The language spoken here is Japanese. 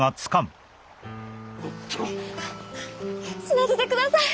死なせて下さい！